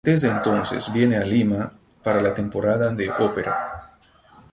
Desde entonces viene a Lima para la temporada de Opera.